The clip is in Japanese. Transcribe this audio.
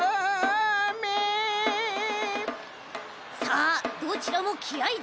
さあどちらもきあい